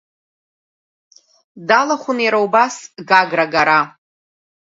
Далахәын, иара убас, Гагра агара.